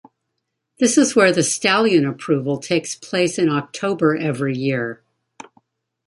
This is where the stallion approval takes place in October every year.